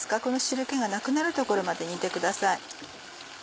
この汁気がなくなるところまで煮てください。